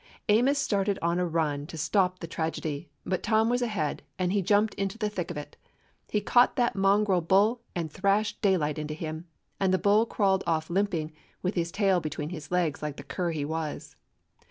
Amos started on a run to stop the tragedy; but Tom was ahead, and he jumped into the thick of it. He caught that mongrel bull and thrashed daylight into him ; and the bull crawled off limping, with his tail between his legs like the cur he was.